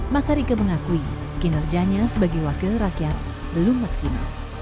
maka rike mengakui kinerjanya sebagai wakil rakyat belum maksimal